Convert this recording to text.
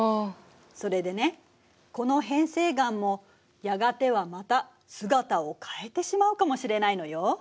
それでねこの変成岩もやがてはまた姿を変えてしまうかもしれないのよ。